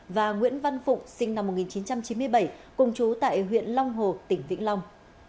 và nguyễn văn phụng sinh năm một nghìn chín trăm chín mươi bảy cùng chú tại huyện long hồ tỉnh vĩnh long